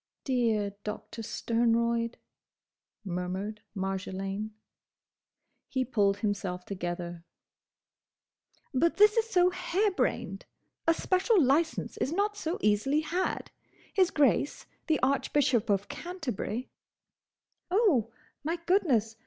"Dear Doctor Sternroyd!" murmured Marjolaine. He pulled himself together. "But this is so harebrained! A special licence is not so easily had. His Grace, the Archbishop of Canterbury—" "Oh, my goodness!